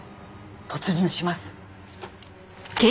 突入します。